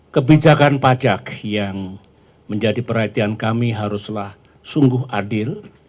kebijakan pajak yang menjadi perhatian kami haruslah sungguh adil